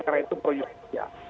karena itu proyeksi